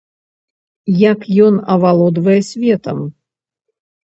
Як ён авалодвае светам?